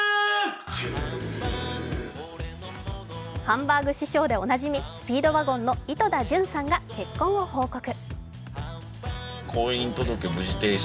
ハンバーグ師匠でおなじみ、スピードワゴンの井戸田潤さんが結婚を報告。